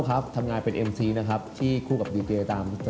พบมืออีกแล้ว